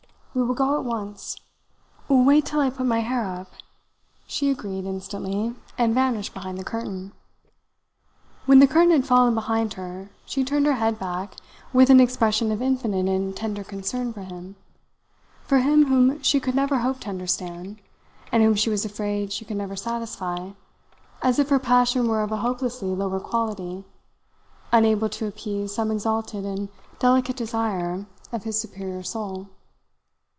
We will go at once!" "Wait till I put my hair up," she agreed instantly, and vanished behind the curtain. When the curtain had fallen behind her, she turned her head back with an expression of infinite and tender concern for him for him whom she could never hope to understand, and whom she was afraid she could never satisfy, as if her passion were of a hopelessly lower quality, unable to appease some exalted and delicate desire of his superior soul.